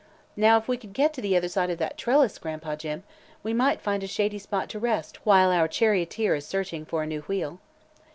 Now, if we could get to the other side of that trellis, Gran'pa Jim, we might find a shady spot to rest while our charioteer is searching for a new wheel."